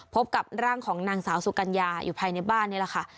พบกับร่างของนางสาวสุกัญญาอยู่ภายในบ้านนี่แหละค่ะ